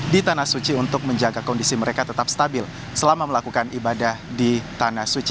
di tanah suci untuk menjaga kondisi mereka tetap stabil selama melakukan ibadah di tanah suci